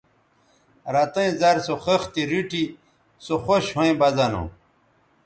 رَتیئں زر سو خِختے ریٹھی سو خوش ھویں بہ زہ نو